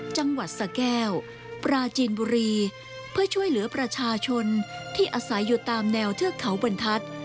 จังหวัดสะแก้วปราจีนบุรีเพื่อช่วยเหลือประชาชนที่อาศัยอยู่ตามแนวเทือกเขาบรรทัศน์